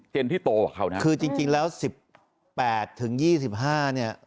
เจนที่โตกว่าเขานะครับคือจริงจริงแล้วสิบแปดถึงยี่สิบห้าเนี้ย